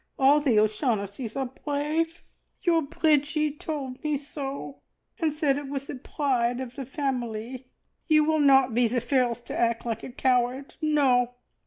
All the O'Shaughnessys are brave your Bridgie told me so, and said it was the pride of the family! You will not be the first to act like a coward. No!"